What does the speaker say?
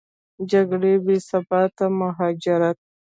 جګړې، بېثباتي، مهاجرت